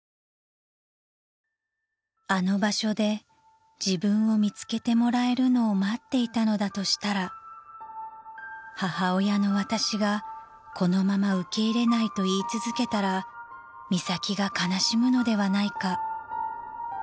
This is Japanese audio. ［「あの場所で自分を見つけてもらえるのを待っていたのだとしたら母親の私がこのまま受け入れないと言い続けたら美咲が悲しむのではないか」］